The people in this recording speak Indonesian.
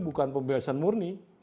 bukan pembebasan murni